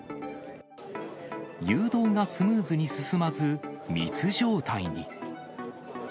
誘導がスムーズに進まず、密状態に。